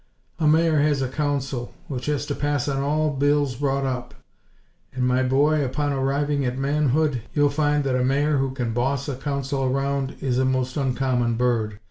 A Mayor has a Council, which has to pass on all bills brought up; and, my boy, upon arriving at manhood, you'll find that a Mayor who can boss a Council around, is a most uncommon bird.